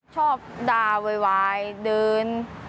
ชอบดาววายเดิน